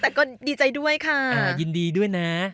แต่ก็ดีใจด้วยค่ะยินดีด้วยนะ